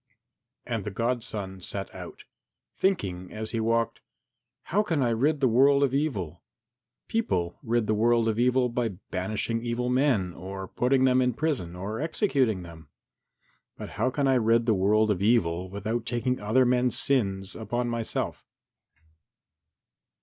VII And the godson set out, thinking as he walked, "How can I rid the world of evil? People rid the world of evil by banishing evil men or putting them in prison or executing them. But how can I rid the world of evil without taking other men's sins upon myself?"